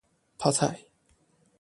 泡菜